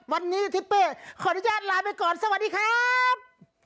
วันนี้ทิเป้ขออนุญาตลาไปก่อนสวัสดีครับ